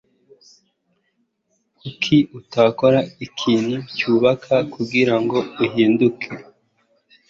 Kuki utakora ikintu cyubaka kugirango uhinduke?